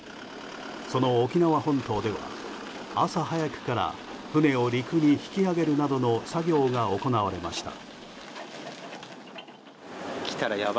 その沖縄本島では朝早くから船を陸に引き上げるなどの作業が行われました。